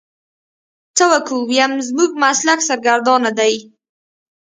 څه وکو ويم زموږ مسلک سرګردانه دی.